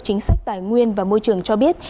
chính sách tài nguyên và môi trường cho biết